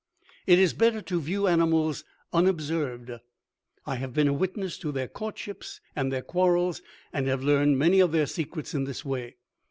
"It is better to view animals unobserved. I have been a witness to their courtships and their quarrels and have learned many of their secrets in this way.